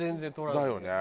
だよね。